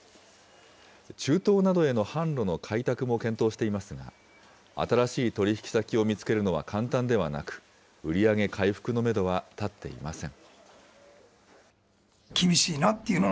中東などへの販路の開拓も検討していますが、新しい取り引き先を見つけるのは簡単ではなく、売り上げ回復のメドは立っていません。